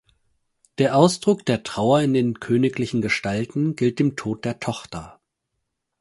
Der Ausdruck der Trauer in den königlichen Gestalten gilt dem Tod der Tochter.